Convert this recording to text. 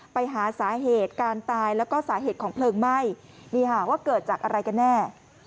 ไปหาสาเหตุการตายแล้วก็สาเหตุของเพลิงไหม้นี่ค่ะว่าเกิดจากอะไรกันแน่